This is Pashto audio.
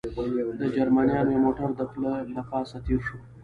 د جرمنیانو یو موټر د پله له پاسه تېر شو.